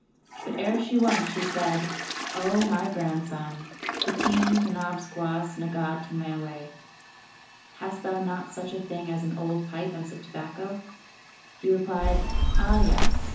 But ere she went she said, " Oh, my grandson," " K teen 2^nabskioass rfaga tomaice?" (P.). "Hast thou not such a thing as an old pipe and some tobacco?" He replied, " Ah yes.